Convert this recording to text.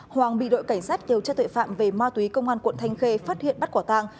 hoàng bị đội cảnh sát kêu cho tội phạm về ma túy công an quận thanh khê phát hiện bắt quả tàng